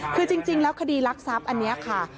คือจริงแล้วคดีรักทรัพย์อันนี้ค่ะ